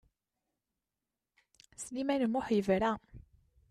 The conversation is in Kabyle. Sliman U Muḥ yebra.